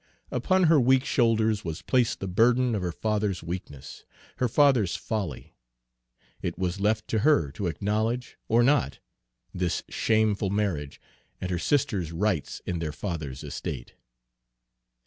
Upon her weak shoulders was placed the burden of her father's weakness, her father's folly. It was left to her to acknowledge or not this shameful marriage and her sister's rights in their father's estate.